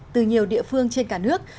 từ nhiều địa phương trên cả nước